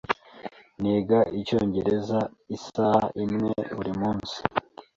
Niga Icyongereza isaha imwe buri munsi.